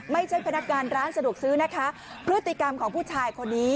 พนักงานร้านสะดวกซื้อนะคะพฤติกรรมของผู้ชายคนนี้